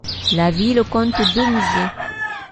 La ville compte deux musées.